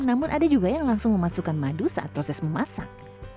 namun ada juga yang langsung memasukkan madu saat proses memasak